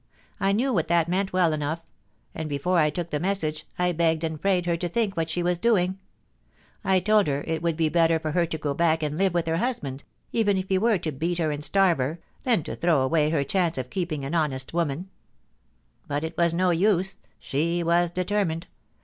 I knew what that meant well enough ; and, before I took the message, I begged and prayed her to think what she was doing. I told her it would be better for her to go back and live with her husband, even if he were to beat her and starve her, than to throw away her chance of keeping an honest womaa But it was no use. She was determined.